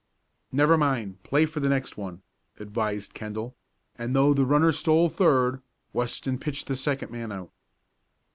"Never mind, play for the next one," advised Kendall, and though the runner stole third, Weston pitched the second man out.